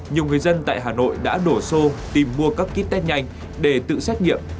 nhiều người dân tại hà nội đã đổ xô tìm mua các ký test nhanh để tự xét nghiệm